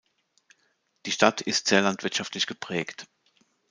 Die Stadt ist sehr landwirtschaftlich geprägt.